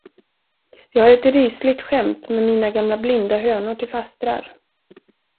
Jag har ett rysligt skämt med mina gamla blinda hönor till fastrar.